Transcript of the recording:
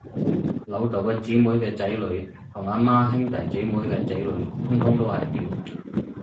老豆嘅姐妹嘅仔女，同阿媽嘅兄弟姐妹嘅仔女，通通都係表